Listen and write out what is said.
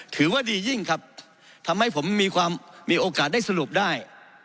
ถือว่าดียิ่งครับทำให้ผมมีความมีโอกาสได้สรุปได้